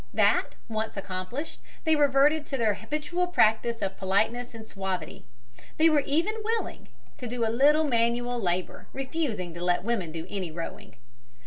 That once accomplished, they reverted to their habitual practice of politeness and suavity. They were even willing; to do a little manual labor, refusing to let women do any rowing.